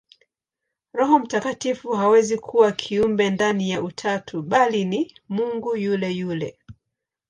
Roho Mtakatifu hawezi kuwa kiumbe ndani ya Utatu, bali ni Mungu yule yule.